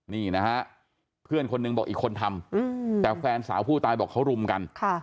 นี่นะฮะเพื่อนคนหนึ่งบอกอีกคนทำแต่แฟนสาวผู้ตายบอกเขารุมกัน